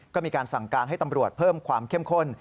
ก็มีการสั่งการให้ตำรวจเพิ่มความเข้มข้น